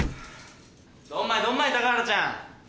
ドンマイドンマイ高原ちゃん。